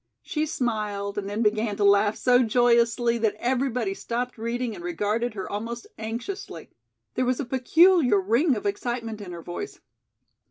She smiled, and then began to laugh so joyously that everybody stopped reading and regarded her almost anxiously. There was a peculiar ring of excitement in her voice.